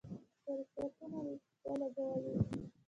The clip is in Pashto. په رشوتونو ولګولې.